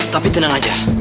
tapi tenang aja